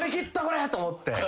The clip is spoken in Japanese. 俺と思って。